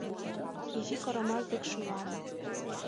Изи Корамас дек шуам.